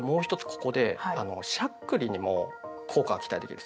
ここでしゃっくりにも効果が期待できるんです。